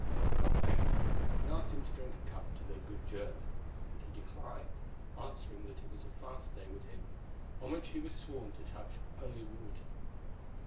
Castell thanked him, and asked him to drink a cup to their good journey; but he declined, answering that it was a fast day with him, on which he was sworn to touch only water.